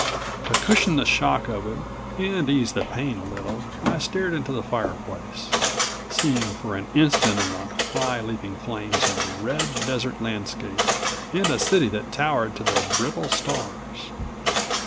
To cushion the shock of it, and ease the pain a little I stared into the fireplace, seeing for an instant in the high leaping flames a red desert landscape and a city that towered to the brittle stars